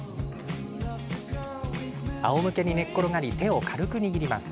あおむけに寝っ転がり手を軽く握ります。